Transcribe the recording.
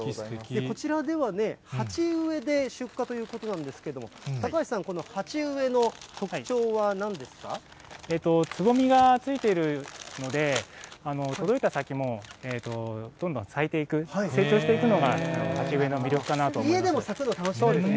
こちらでは鉢植えで出荷ということなんですけれども、高橋さん、つぼみがついているので、届いた先もどんどん咲いていく、成長していくのが鉢植えの魅力かなと思います。